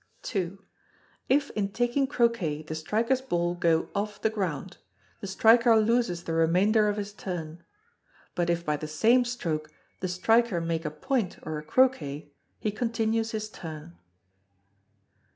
ii. If in taking Croquet the striker's ball go off the ground, the striker loses the remainder of his turn; but if by the same stroke the striker make a point or a Croquet, he continues his turn.